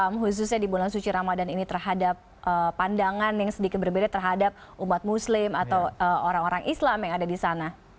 khususnya di bulan suci ramadan ini terhadap pandangan yang sedikit berbeda terhadap umat muslim atau orang orang islam yang ada di sana